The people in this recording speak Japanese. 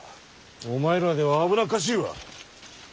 お前らでは危なっかしいわ。